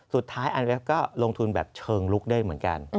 สุดท้ายอันนี้ก็ลงทุนแบบเชิงลุกได้เหมือนกัน